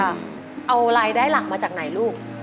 เอารายได้หลักมาจากไหนลูก